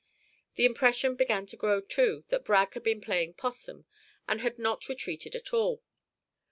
The impression began to grow, too, that Bragg had been playing 'possum, and had not retreated at all.